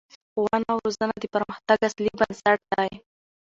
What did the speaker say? ښوونه او روزنه د پرمختګ اصلي بنسټ دی